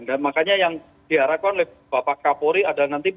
dan makanya yang diharapkan oleh bapak kapori adalah nanti